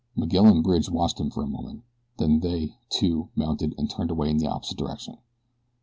Miguel and Bridge watched him for a moment, then they, too, mounted and turned away in the opposite direction.